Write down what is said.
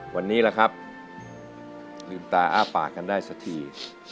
วันนี้ล่ะครับลืมตาอ้าปากกันได้สักที